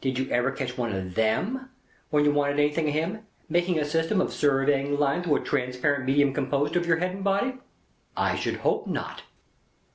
Did you ever catch one of them, when you wanted anything of him, making a system of surveying the Line through a transparent medium composed of your head and body? I should hope not.